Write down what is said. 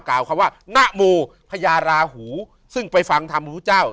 กล่าวคำว่านโมพญาราหูซึ่งไปฟังธรรมพระพุทธเจ้า